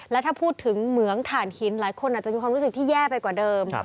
และถ้าพูดถึงเหมืองถ่านหินหลายคนอาจจะมีความรู้สึกที่แย่ไปกว่าเดิม